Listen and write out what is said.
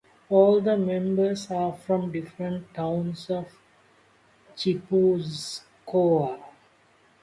All the members are from different towns of Gipuzkoa.